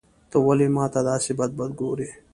ته ولي ماته داسي بد بد ګورې.